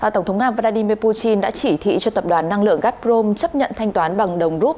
tổng thống nga vladimir putin đã chỉ thị cho tập đoàn năng lượng gaprom chấp nhận thanh toán bằng đồng rút